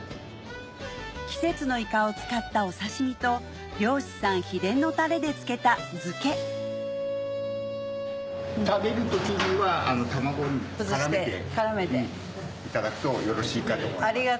季節のイカを使ったお刺し身と漁師さん秘伝のタレで漬けた漬けいただくとよろしいかと思います。